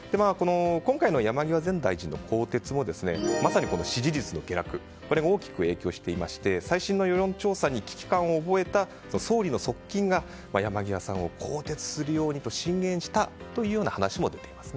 今回の山際前大臣の更迭もまさに支持率の下落が大きく影響していまして最新の世論調査に危機感を覚えた総理の側近が山際さんを更迭するようにと進言したというような話も出ています。